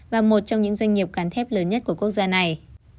và một trong những doanh nghiệp cán thép lớn nhất của quốc gia này